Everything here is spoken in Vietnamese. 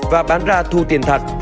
và bán ra thu tiền thật